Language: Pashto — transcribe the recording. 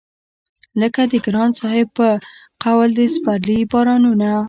لکه د ګران صاحب په قول د سپرلي بارانونه